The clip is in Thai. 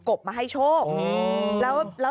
กบมาให้โชคแล้ว